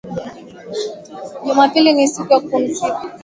Jumapili ni siku ya kupumzika